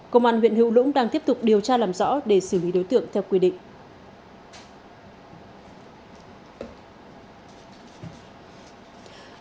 công an huyện hữu lũng đang tiếp tục điều tra làm rõ để xử lý đối tượng theo quy định